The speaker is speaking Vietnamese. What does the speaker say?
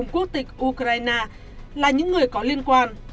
quốc tịch ukraine là những người có liên quan